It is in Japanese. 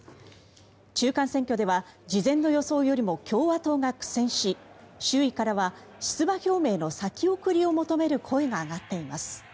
中間選挙では事前の予想よりも共和党が苦戦し周囲からは出馬表明の先送りを求める声が上がっています。